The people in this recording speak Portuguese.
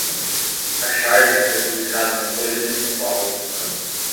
A charge foi publicada na Folha de São Paulo